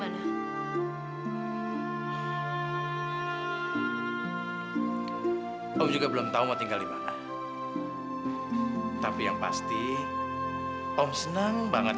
saya mau om saya mau banget